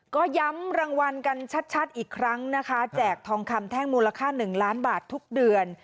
ก็ย้ำรางวัลกันชัดอีกครั้งนะคะแจกทองคำแท่งมูลค่า๑ล้านบาททุกเดือน